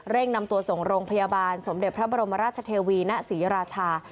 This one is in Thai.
นำตัวส่งโรงพยาบาลสมเด็จพระบรมราชเทวีณศรีราชา